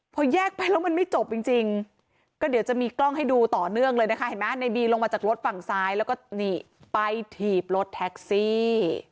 พอแยกไปแล้วมันไม่จบจริงก็เดี๋ยวจะมีกล้องให้ดูต่อเนื่องเลยนะคะเห็นไหมในบีลงมาจากรถฝั่งซ้ายแล้วก็นี่ไปถีบรถแท็กซี่